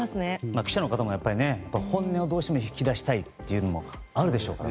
記者の方も本音をどうしても引き出したいでしょうから。